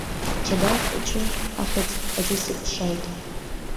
Аҽада хәыҷы ахьыӡ азысыԥшааит.